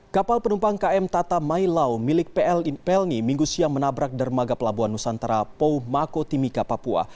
kapal penumpang km tata mailau milik plni minggu siang menabrak dermaga pelabuhan nusantara pou mako timika papua